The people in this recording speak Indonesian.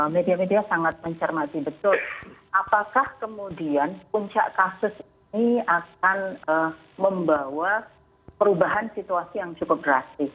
media media sangat mencermati betul apakah kemudian puncak kasus ini akan membawa perubahan situasi yang cukup drastis